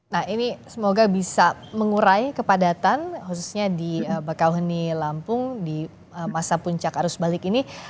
nah ini semoga bisa mengurai kepadatan khususnya di bakauheni lampung di masa puncak arus balik ini